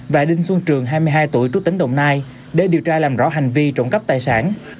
và đinh xuân trường hai mươi hai tuổi trú tỉnh đồng nai để điều tra làm rõ hành vi trộm cắp tài sản